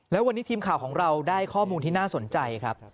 แล้ววันนี้ทีมข่าวของเราได้ข้อมูลที่น่าสนใจครับ